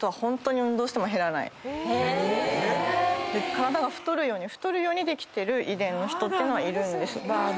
体が太るようにできてる遺伝の人っていうのはいるんです。